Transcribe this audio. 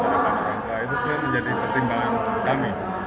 harapan orang tua itu sebenarnya menjadi pertimbangan kami